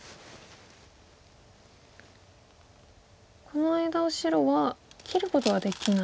この間を白は切ることはできないんですね。